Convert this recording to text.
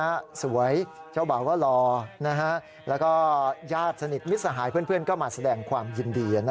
ก็แซวเจ้าบ่าวทั้ง๒คนบอกว่าอย่าเข้าห้องผิดนะ